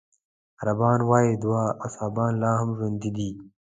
عربان وايي دوه اصحابان لا هم ژوندي دي.